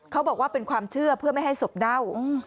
เขาบอกว่าเป็นความเชื่อเพื่อไม่ให้ศพเน่า